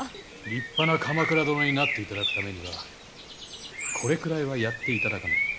立派な鎌倉殿になっていただくためにはこれくらいはやっていただかねば。